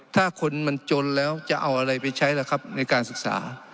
ถ้าคนมันจนแล้วจะเอาอะไรไปใช้ล่ะครับในการศึกษา